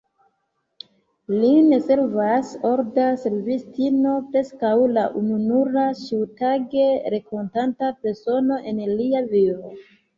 Lin servas “olda servistino, preskaŭ la ununura ĉiutage renkontata persono en lia vivo.